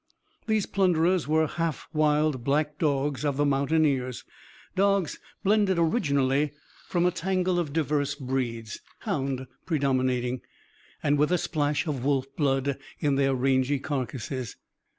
These plunderers were the half wild black dogs of the mountaineers; dogs blended originally from a tangle of diverse breeds; hound predominating; and with a splash of wolf blood in their rangy carcases.